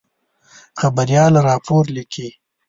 خبریال راپور لیکي.